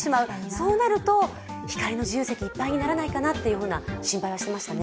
そうなるとひかりの自由席がいっぱいにならないかなと心配していましたね。